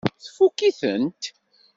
Tfukk-itent?